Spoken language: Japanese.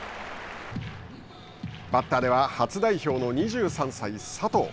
バッターでは初代表の２３歳、佐藤。